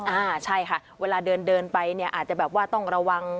อ่าใช่ค่ะเวลาเดินเดินไปเนี่ยอาจจะแบบว่าต้องระวัง